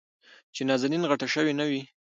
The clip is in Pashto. چې نازنين غټه شوې نه وي.